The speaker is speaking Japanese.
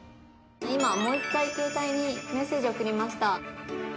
「今もう一回携帯にメッセージ送りました」